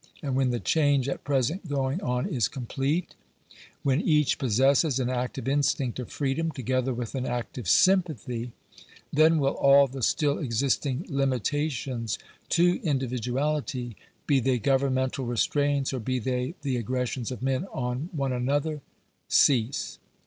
And when the change at present going on is complete — when each possesses an active instinct of freedom, together with an active sympathy — then will all the still existing limitations to individuality, be they governmental restraints, or be they the aggressions of men on one another, cease.